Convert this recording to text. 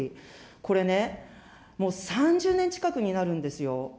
これね、もう３０年近くになるんですよ。